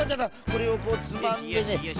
これをこうつまんでね。